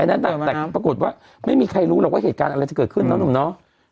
แต่ปรากฏว่าไม่มีใครรู้หรอกว่าเหตุการณ์อะไรจะเกิดขึ้นนะหนุ่มเนาะ